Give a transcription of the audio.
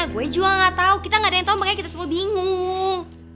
gue juga ga tau kita ga ada yang tau makanya kita semua bingung